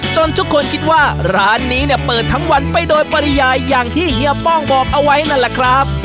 ทุกคนคิดว่าร้านนี้เนี่ยเปิดทั้งวันไปโดยปริยายอย่างที่เฮียป้องบอกเอาไว้นั่นแหละครับ